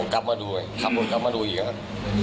กลับมาดูเลยขับรถกับมาดูอีกค่ะ